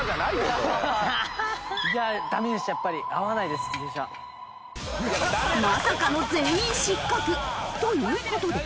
まさかの全員失格。という事で。